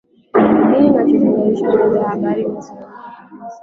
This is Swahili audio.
ini tunachoshangaa waandishi wa habari tumesahaulika kabisa